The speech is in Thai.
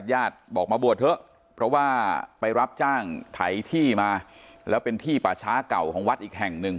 ญาติบอกมาบวชเถอะเพราะว่าไปรับจ้างไถที่มาแล้วเป็นที่ป่าช้าเก่าของวัดอีกแห่งหนึ่ง